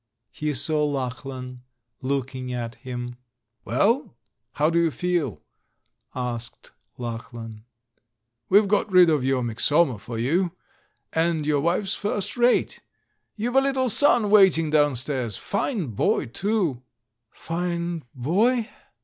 He saw Lachlan looking at him. "Well, how do you feel?" asked Lachlan. "We've got rid of your Myxoma for you. And your wife's first rate. You've a little son waiting downstairs — fine boy, too!" "Fine boy?"